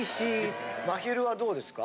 まひるはどうですか？